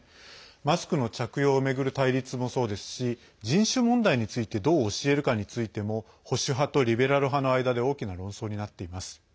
マスクの着用を巡る対立もそうですし人種問題についてどう教えるかについても保守派とリベラル派の間で大きな論争になっています。